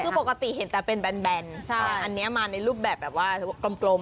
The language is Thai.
คือปกติเห็นแต่เป็นแบนอันนี้มาในรูปแบบแบบว่ากลม